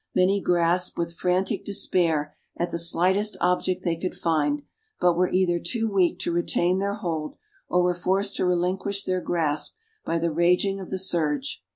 Many grasped with frantic despair, at the slightest object they could find, but were either too weak to retain their hold, or were forced to relinquish their grasp by the raging of the surge.